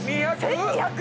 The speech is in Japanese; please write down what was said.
１２００？